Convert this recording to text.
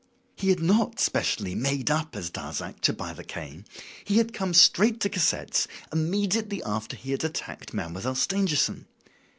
"He had not specially 'made up' as Darzac to buy the cane; he had come straight to Cassette's immediately after he had attacked Mademoiselle Stangerson.